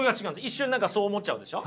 一瞬何かそう思っちゃうでしょ。